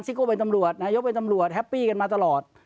โก้เป็นตำรวจนายกเป็นตำรวจแฮปปี้กันมาตลอด